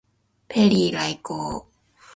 ペリー来航